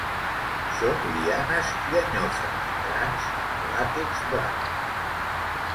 Són lianes llenyoses, grans, amb làtex blanc.